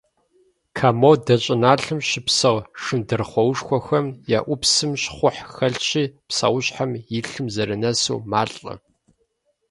Комодо щӏыналъэм щыпсэу шындрыхъуоушхуэхэм я ӏупсым щхъухь хэлъщи, псэущхьэм и лъым зэрынэсу малӏэ.